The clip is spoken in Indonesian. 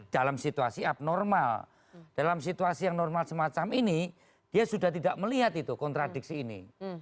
dalam situasi abnormal dalam situasi yang normal semacam ini dia sudah tidak melihat itu kontradiksi ini